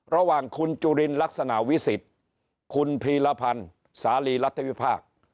ระหว่างคุณจุรินรักษณะวิศธคุณภีรพรรณสารีรัฐวิภาค